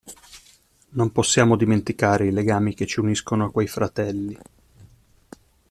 Non possiamo dimenticare i legami che ci uniscono a quei fratelli.